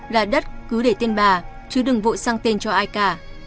là đất cứ để tên bà chứ đừng vội sang tên cho ai cả